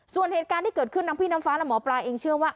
ส่วนเหตุการณ์ที่เกิดขึ้นทั้งพี่น้ำฟ้าและหมอปลาเองเชื่อว่า